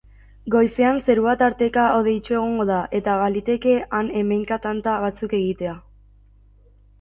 Goizean zerua tarteka hodeitsu egongo da eta baliteke han-hemenka tanta batzuk egitea.